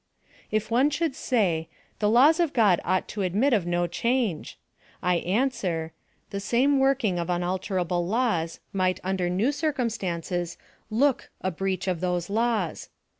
If one should say: "The laws of God ought to admit of no change," I answer: The same working of unalterable laws might under new circumstances look a breach of those laws.